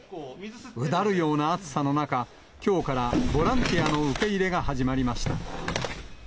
うだるような暑さの中、きょうからボランティアの受け入れが始まりました。